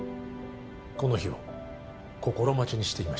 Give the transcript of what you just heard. この日を心待ちにしていました